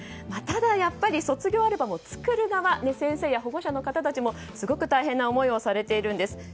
ただ、やっぱり卒業アルバムを作る側の先生や保護者の方たちもすごく大変な思いをされているんです。